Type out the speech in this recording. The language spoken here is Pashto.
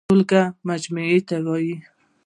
ټولګه مجموعې ته وايي.